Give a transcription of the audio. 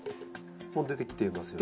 もう出てきていますよね。